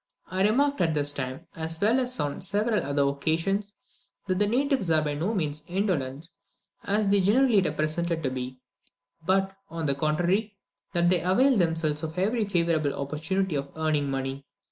I remarked at this time, as well as on several other occasions, that the natives are by no means so indolent as they are generally represented to be, but, on the contrary, that they avail themselves of every favourable opportunity of earning money.